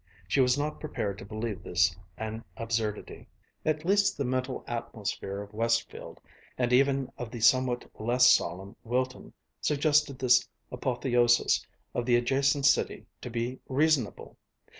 She was not prepared to believe this an absurdity. At least the mental atmosphere of Westfield and even of the somewhat less solemn Wilton suggested this apotheosis of the adjacent city to be reasonable.